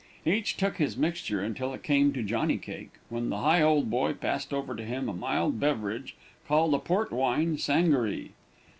Each took his mixture until it came to Johnny Cake, when the Higholdboy passed over to him a mild beverage, called a port wine sangaree.